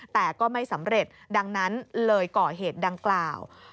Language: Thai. แต่ก็ไม่สำเร็จดังนั้นเลยก่อเหตุดังกล่าว